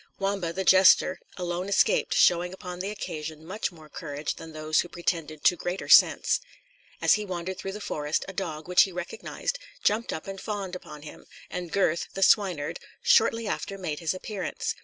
Wamba, the jester, alone escaped, showing upon the occasion much more courage than those who pretended to greater sense. As he wandered through the forest, a dog, which he recognised, jumped up and fawned upon him, and Gurth, the swineherd, shortly after made his appearance.